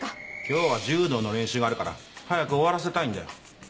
今日は柔道の練習があるから早く終わらせたいんだよ。